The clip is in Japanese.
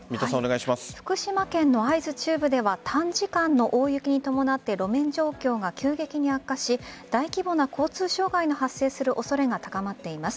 福島県の会津中部では短時間の大雪に伴って路面状況が急激に悪化し大規模な交通障害の発生する恐れが高まっています。